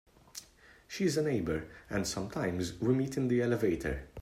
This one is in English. She is a neighbour, and sometimes we meet in the elevator.